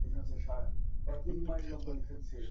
অনেক কিছুই হতে পারে।